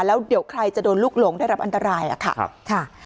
แล้วเดี๋ยวใครจะโดนลูกหลงได้รับอันตรายค่ะ